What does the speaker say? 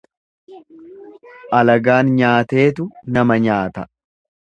Alagaan nyaateetu nama nyaata.